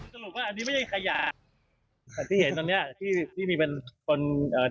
สรุปว่าอันนี้ไม่ใช่ขยะแต่ที่เห็นตอนเนี้ยที่ที่มีเป็นคนเอ่อ